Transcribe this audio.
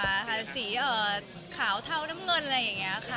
ก็จะดูเนี่ยตะวันกว่าสีขาวเท้าน้ำเงินอะไรอย่างเงี้ยค่ะ